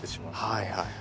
はいはい。